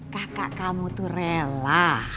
kakak kamu tuh rela